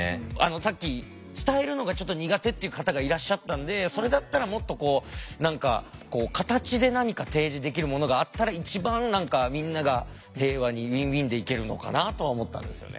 さっき伝えるのがちょっと苦手って方がいらっしゃったのでそれだったらもっとこう何か形で何か提示できるものがあったら一番みんなが平和にウィンウィンでいけるのかなとは思ったんですよね。